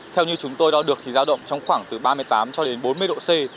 theo như chúng tôi đo được thì giao động trong khoảng từ ba mươi tám cho đến bốn mươi độ c